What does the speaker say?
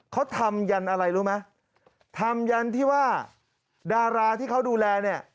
เขาทำยันอะไรรู้ไหมทำยันที่ว่าดาราที่เขาดูแลเนี่ย